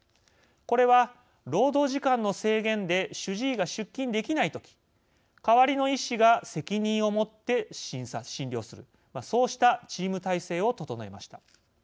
これは、労働時間の制限で主治医が出勤できない時代わりの医師が責任を持って診療するそうしたチーム体制を整えました。